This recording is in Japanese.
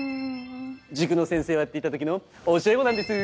塾の先生をやっていた時の教え子なんです。